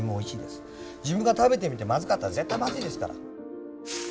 自分が食べてみてまずかったら絶対まずいですから。